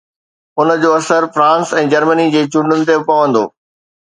ان جو اثر France ۽ Germany جي چونڊن تي به پوندو